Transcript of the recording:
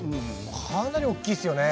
かなり大きいですよね！